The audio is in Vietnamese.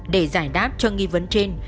để giải đáp cho nghi vấn trên